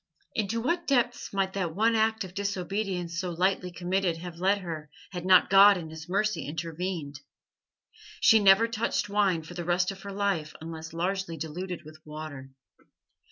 Into what depths might that one act of disobedience so lightly committed have led her had not God in His mercy intervened? She never touched wine for the rest of her life unless largely diluted with water.